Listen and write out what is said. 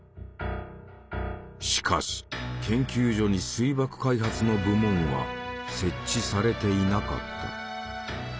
しかし研究所に水爆開発の部門は設置されていなかった。